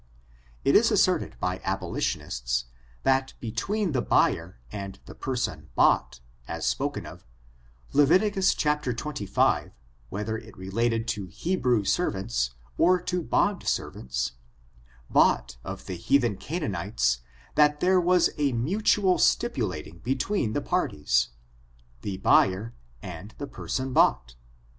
It is asserted by abolitionists, that between the buyer and the person bought, as spoken of, Leviticus XXV, whether it related to Hebrew servants, or to bond servants, bought of the heathen Canaanites, that there was a mutual stipulating between the parties — tho buyer and the person bought.